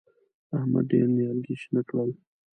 احمد ډېر نيالګي شنه کړل.